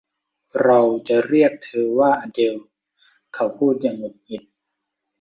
เราจะเรียกเธอว่าอะเดลเขาพูดอย่างหงุดหงิด